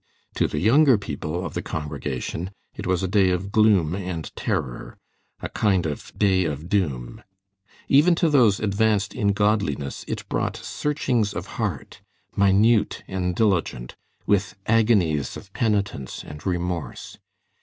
To the younger people of the congregation it was a day of gloom and terror, a kind of day of doom. Even to those advanced in godliness it brought searchings of heart, minute and diligent, with agonies of penitence and remorse.